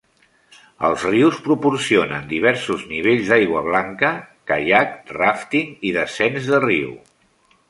Els rius proporcionen diversos nivells d"aigua blanca, caiac, ràfting i descens de riu.